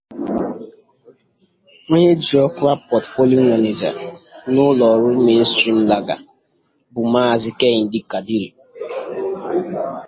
onye ji ọkwa 'Portfolio Manager' n'ụlọọrụ 'Mainstream Lager' bụ Maazị Kehinde Kadiri